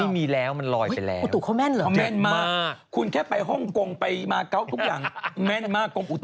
แต่วันนี้ของเราเริ่มเย็นลงแล้ว